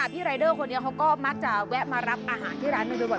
พี่รายเดอร์คนนี้เขาก็มักจะแวะมารับอาหารที่ร้านหนึ่งบ่อย